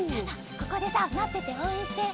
ここでさまってておうえんして。